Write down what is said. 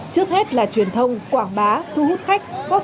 trước hết là truyền thông quảng bá thu hút khách